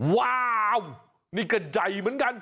ว้าวนี่กระใจเหมือนกัน